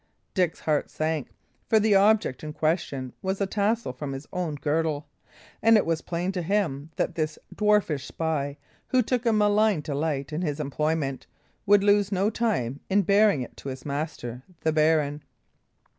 Dick's heart sank, for the object in question was a tassel from his own girdle; and it was plain to him that this dwarfish spy, who took a malign delight in his employment, would lose no time in bearing it to his master, the baron.